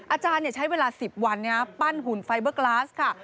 อาจารย์ใช้เวลา๑๐วันปั้นหุ่นไฟเบอร์กลาสค่ะ